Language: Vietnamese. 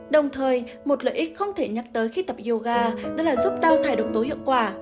đồng thời một lợi ích không thể nhắc tới khi tập yoga đó là giúp đau thải độc tối hiệu quả